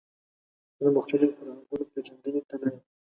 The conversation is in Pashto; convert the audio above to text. زه د مختلفو فرهنګونو پیژندنې ته نه یم.